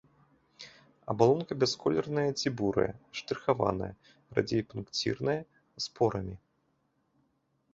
Абалонка бясколерная ці бурая, штрыхаваная, радзей пункцірная, з порамі.